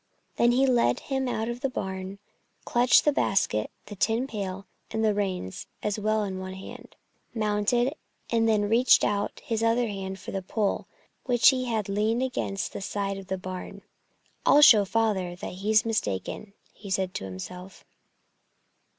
Then he led him out of the barn, clutched the basket, the tin pail, and the reins as well in one hand, mounted, and then reached out his other hand for the pole, which he had leaned against the side of the barn. "I'll show Father that he's mistaken," he said to himself.